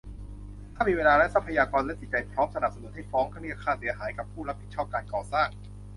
ถ้ามีเวลาและทรัพยากร และจิตใจพร้อม สนับสนุนให้ฟ้องเรียกค่าเสียหายกับผู้รับผิดชอบการก่อสร้าง